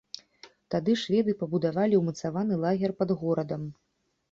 Тады шведы пабудавалі ўмацаваны лагер пад горадам.